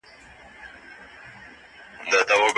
تاسي په خپل زړه کي د چا د احسان مننه لرئ؟